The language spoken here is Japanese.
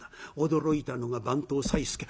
驚いたのが番頭さいすけ。